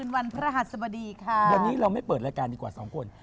วันนี้เราไม่เปิดรายการดีกว่า๒คน